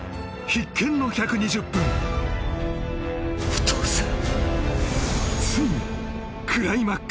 お父さん